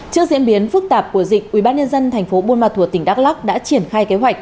trước diễn biến phức tạp của dịch ubnd tp buôn ma thuột tỉnh đắk lắc đã triển khai kế hoạch